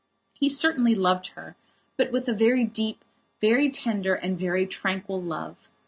He certainly loved her, but with a very deep, very tender and very tranquil love.